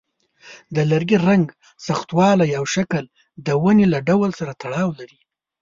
د لرګي رنګ، سختوالی، او شکل د ونې له ډول سره تړاو لري.